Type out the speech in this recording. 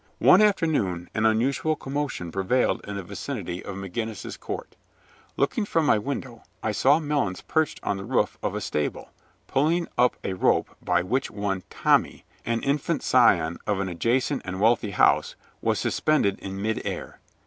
One afternoon an unusual commotion prevailed in the vicinity of McGinnis's Court. Looking from my window I saw Melons perched on the roof of a stable, pulling up a rope by which one "Tommy," an infant scion of an adjacent and wealthy house, was suspended in mid air.